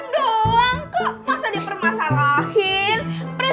doang kok masa dipermasalahin